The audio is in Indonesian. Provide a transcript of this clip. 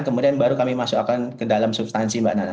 kemudian baru kami masukkan ke dalam substansi mbak nana